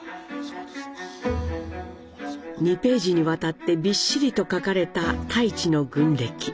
２ページにわたってびっしりと書かれた太市の軍歴。